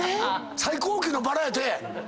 最高級のバラやて！